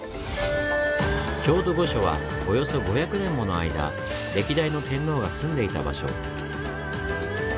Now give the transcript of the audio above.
京都御所はおよそ５００年もの間歴代の天皇が住んでいた場所。